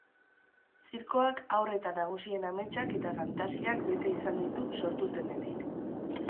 Zirkoak haur eta nagusien ametsak eta fantasiak bete izan ditu sortu zenetik.